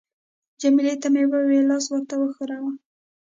جميله ته مې وویل: لاس ورته وښوروه.